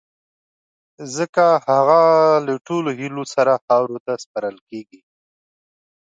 ځڪه هغه له ټولو هیلو سره خاورو ته سپارل کیږی